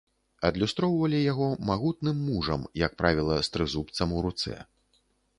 Адлюстроўвалі яго магутным мужам, як правіла, з трызубцам у руцэ.